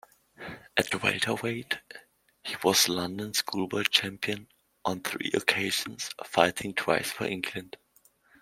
At welterweight, he was London schoolboy champion on three occasions, fighting twice for England.